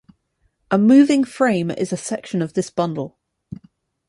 A moving frame is a section of this bundle.